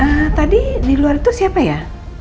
nah tadi di luar itu siapa ya